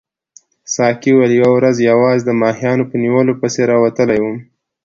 ساقي وویل یوه ورځ یوازې د ماهیانو په نیولو پسې راوتلی وم.